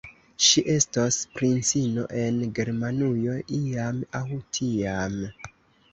Ŝi estos princino en Germanujo, iam aŭ tiam.